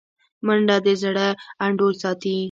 منډه د زړه انډول ساتي